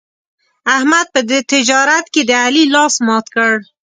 احمد په تجارت کې د علي لاس مات کړ.